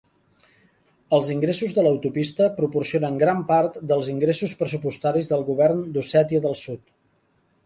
Els ingressos de l'autopista proporcionen gran part dels ingressos pressupostaris del govern d'Ossètia del Sud.